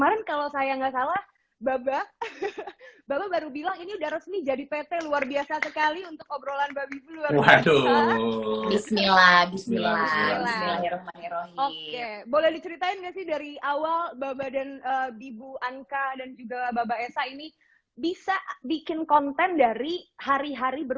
assalamualaikum wr wb